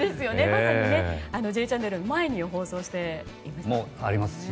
まさに「Ｊチャンネル」の前に放送して。